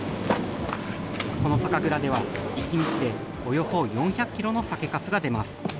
この酒蔵では１日でおよそ４００キロの酒かすが出ます。